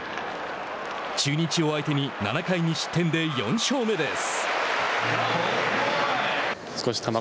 中日を相手に７回２失点で４勝目です。